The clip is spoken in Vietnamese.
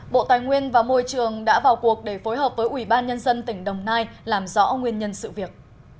bộ tài nguyên và môi trường đã vào cuộc để phối hợp với ủy ban nhân dân tỉnh đồng nai làm rõ nguyên nhân sự việc